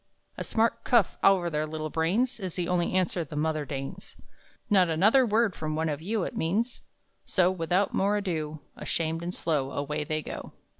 A smart cuff over their little brains Is the only answer the mother deigns "Not another word from one of you!" It means, so without more ado, Ashamed and slow Away they go.